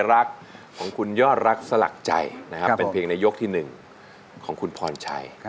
รักของคุณยอดรักสลักใจนะครับเป็นเพลงในยกที่๑ของคุณพรชัย